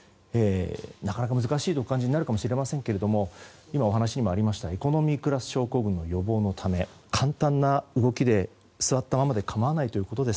なかなか難しいとお感じになるかもしれませんが今お話にもありましたエコノミークラス症候群の予防のため簡単な動きで、座ったままで構わないということです。